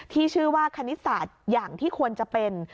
ที่ชื่อว่าคณิตศาสตร์อย่างที่ควรจะเป็น